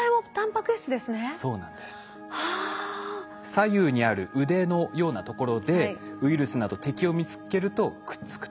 左右にある腕のようなところでウイルスなど敵を見つけるとくっつくと。